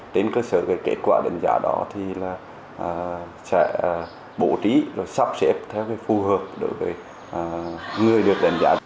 trên cơ sở kết quả đánh giá đó thì là sẽ bổ trí sắp xếp theo phù hợp đối với người được đánh giá